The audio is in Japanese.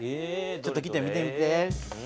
ちょっと来て見てみて。